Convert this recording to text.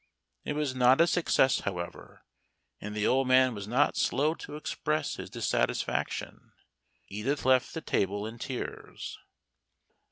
It was not a success, however, and the old man was not slow to express his dissatisfaction. Edith left the table in tears.